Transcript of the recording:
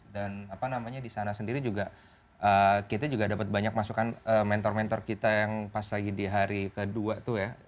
dan apa namanya di sana sendiri juga kita juga dapat banyak masukan mentor mentor kita yang pas lagi di hari ke dua tuh ya